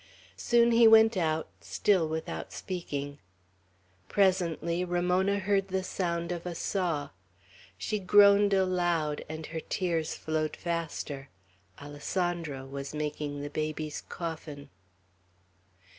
Soon he went out, still without speaking. Presently Ramona heard the sound of a saw. She groaned aloud, and her tears flowed faster: Alessandro was making the baby's coffin.